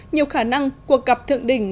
nhiều khả năng cuộc gặp thượng đỉnh